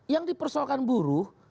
yang dipersoalkan buruh